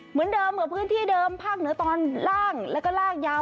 เหมือนเดิมกับพื้นที่เดิมภาคเหนือตอนล่างแล้วก็ลากยาว